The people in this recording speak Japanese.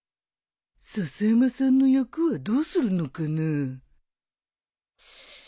笹山さんの役はどうするのかな？